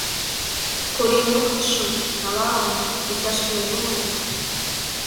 Корийым моктышо — ала-ала, иктаж-кӧ уло мо?